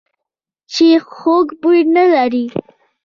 چې خوږ بوی نه لري .